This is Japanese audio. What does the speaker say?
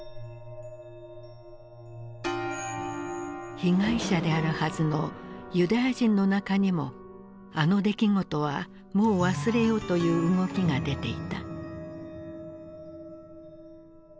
被害者であるはずのユダヤ人の中にもあの出来事はもう忘れようという動きが出ていた。